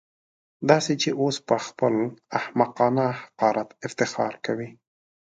داسې چې اوس پهخپل احمقانه حقارت افتخار کوي.